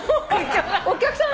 お客さん